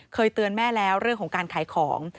เคยเตือนแม่แล้วเรื่องของการขายของ